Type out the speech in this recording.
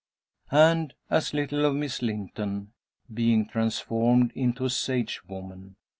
And as little of Miss Linton being transformed into a sage woman.